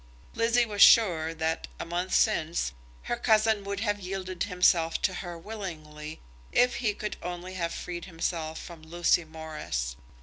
Lizzie was sure that, a month since, her cousin would have yielded himself to her willingly, if he could only have freed himself from Lucy Morris.